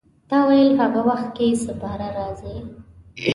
تا ویل هغه وخت کې سپاره راځي.